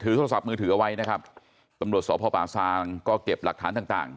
โทรศัพท์มือถือเอาไว้นะครับตำรวจสพป่าซางก็เก็บหลักฐานต่างต่าง